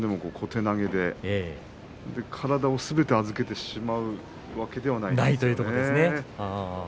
小手投げで体をすべて預けてしまうわけではないんですよね。